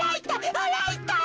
あらいたい。